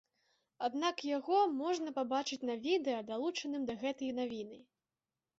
Аднак яго можна пабачыць на відэа, далучаным да гэтай навіны.